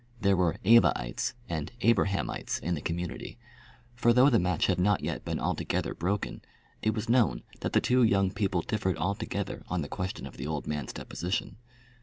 There were "Evaites" and "Abrahamites" in the community; for though the match had not yet been altogether broken, it was known that the two young people differed altogether on the question of the old man's deposition.